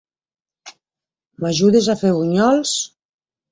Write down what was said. M'ajudes a fer bunyols?